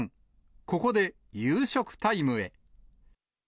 ここで夕食タイムへ。